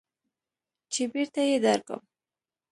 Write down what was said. چې بېرته يې درکم.